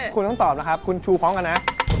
คุณต้องตอบนะคุณชูพร้อมกันนะ